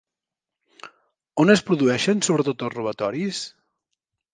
On es produeixen sobretot els robatoris?